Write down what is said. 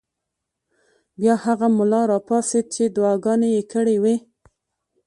بیا هغه ملا راپاڅېد چې دعاګانې یې کړې وې.